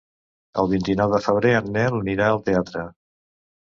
El vint-i-nou de febrer en Nel anirà al teatre.